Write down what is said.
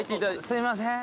すいません。